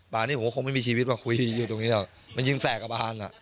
นี้ผมก็คงไม่มีชีวิตว่าคุยอยู่ตรงนี้แล้วมันยิงแสกกระบานอ่ะ